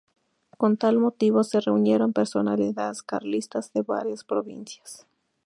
Con tal motivo, se reunieron personalidades carlistas de varias provincias.